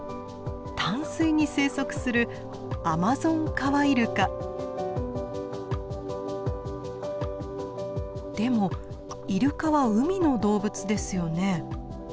淡水に生息するでもイルカは海の動物ですよね？